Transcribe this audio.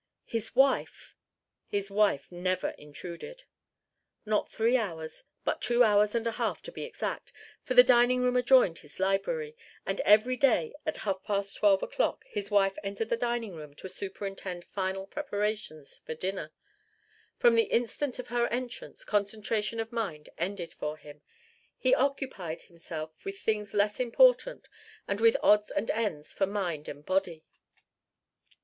His wife! his wife never intruded. Not three hours, but two hours and a half, to be exact; for the dining room adjoined his library, and every day at half past twelve o'clock his wife entered the dining room to superintend final preparations for dinner: from the instant of her entrance concentration of mind ended for him: he occupied himself with things less important and with odds and ends for mind and body.